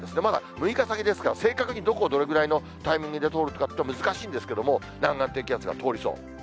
まだ６日先ですから、正確にどこをどれぐらいのタイミングで通るかって難しいんですけれども、南岸低気圧が通りそう。